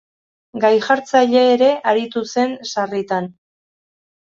Gai-jartzaile ere aritu zen sarritan.